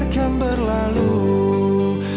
di dalam luka